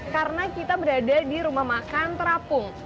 karena kita berada di rumah makan terapung